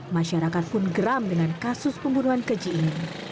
masyarakat pun geram dengan kasus pembunuhan keji ini